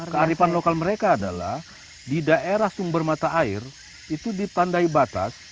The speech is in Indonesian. kearifan lokal mereka adalah di daerah sumber mata air itu ditandai batas